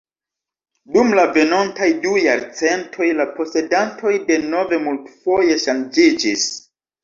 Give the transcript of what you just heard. Dum la venontaj du jarcentoj la posedantoj denove multfoje ŝanĝiĝis.